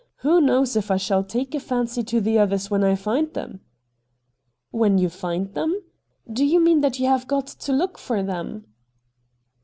Who knows if I shall take a fancy to the others when I find them ?'' When you find them P Do you mean that you have got to look for them